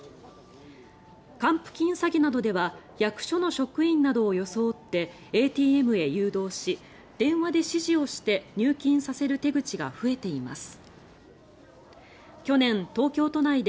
還付金詐欺などでは役所の職員などを装ってＡＴＭへ誘導し電話で指示をして入金させる手口が増えています。